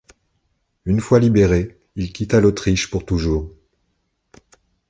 Une fois libéré, il quitta l'Autriche pour toujours.